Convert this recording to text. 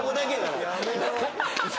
やめろ。